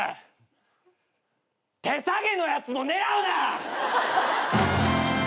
手提げのやつも狙うな！